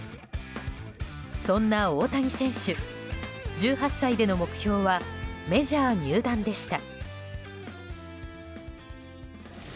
そんな大谷選手１８歳での目標はメジャー入団でした。